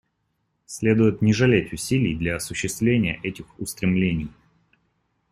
Следует не жалеть усилий для осуществления этих устремлений.